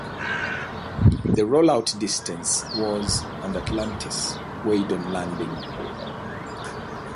The rollout distance was and "Atlantis" weighed on landing.